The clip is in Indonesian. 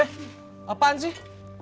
eh apaan sih